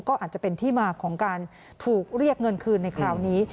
ก็อาจจะเป็นที่มาของการถูกเรียกเงินคืนในคราวนี้